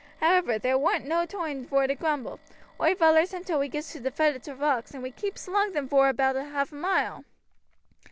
However there warn't no toime vor to grumble. Oi vollers him till we gets to t' foot o' t' rocks, and we keeps along 'em vor aboot half a mile.